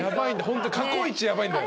ホント過去一ヤバいんだよ。